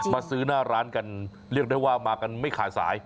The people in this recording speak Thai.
ซื้อหน้าร้านกันเรียกได้ว่ามากันไม่ขาดสาย